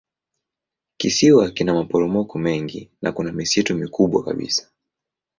Kisiwa kina maporomoko mengi na kuna misitu mikubwa kabisa.